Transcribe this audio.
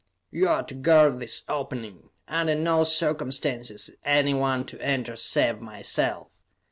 "You are to guard this opening. Under no circumstances is anyone to enter save myself.